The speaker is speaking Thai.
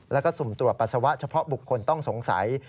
แล้วก็สุ่มตรวจปัสสาวะเฉพาะบุคคลต้องสงสัย